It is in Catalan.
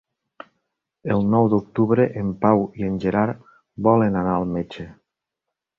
El nou d'octubre en Pau i en Gerard volen anar al metge.